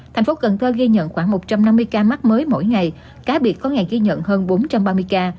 thành phố cần thơ ghi nhận khoảng một trăm năm mươi ca mắc mới mỗi ngày cá biệt có ngày ghi nhận hơn bốn trăm ba mươi ca